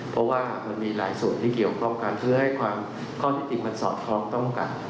เพราะว่ามันมีหลายส่วนที่เกี่ยวข้องกันเพื่อให้ความข้อที่จริงมันสอดคล้องต้องกัน